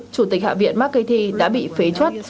chủ tịch hạ viện mccarthy đã bị phế chuất